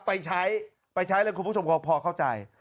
ไปใช้ไปใช้เลยคุณผู้ชมก็พอเข้าใจ